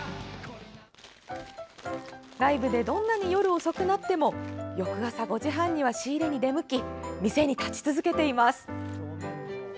ライブでどんなに夜遅くなっても翌朝５時半には仕入れに出向き店に立ち続けています。